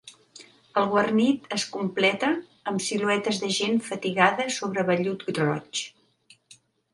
El guarnit es completa amb siluetes de gent fatigada sobre vellut roig.